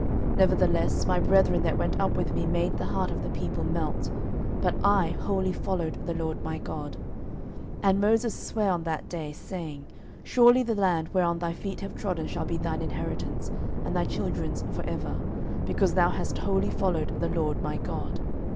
06:014:008 Nevertheless my brethren that went up with me made the heart of the people melt: but I wholly followed the LORD my God. 06:014:009 And Moses sware on that day, saying, Surely the land whereon thy feet have trodden shall be thine inheritance, and thy children's for ever, because thou hast wholly followed the LORD my God.